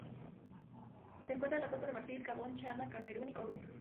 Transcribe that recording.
Se encuentra en Costa de Marfil, Gabón, Ghana, Camerún y Congo.